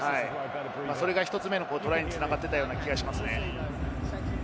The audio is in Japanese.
それが１つ目のトライに繋がっていたような気がします。